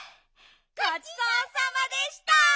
ごちそうさまでした！